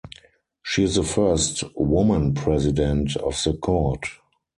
She is the first woman President of the court.